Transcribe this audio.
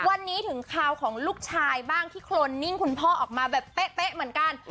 วันนี้ถึงข่าวของลูกชายบ้างที่โคลนนิ่งคุณพ่อออกมาแบบเป๊ะเหมือนกัน